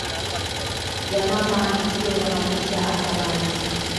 ya mama ikiwa inamaanisha ata maji